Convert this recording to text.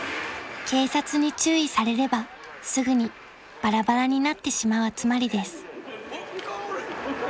［警察に注意されればすぐにバラバラになってしまう集まりです］